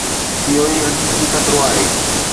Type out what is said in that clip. اهو ئي حقيقي خطرو آهي.